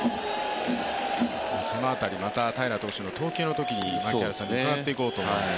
その辺りまた平良投手の投球のときに槙原さんに伺っていこうと思います。